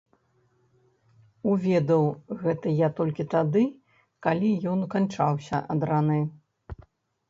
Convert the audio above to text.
Уведаў гэта я толькі тады, калі ён канчаўся ад раны.